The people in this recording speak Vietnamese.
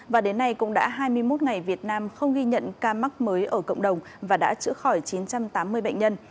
và đến nay cũng đã hai mươi một ngày việt nam không ghi nhận ca mắc mới ở cộng đồng và đã chữa khỏi chín trăm tám mươi bệnh nhân